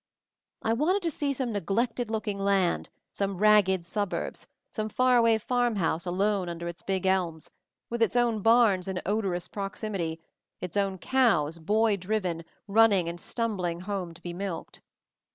I wanted to see some neglected looking land, some ragged suburbs, some far away farmhouse alone under its big elms, with its own barns in odorous proximity, its own cows, boy driven, running and stumbling home to be milked.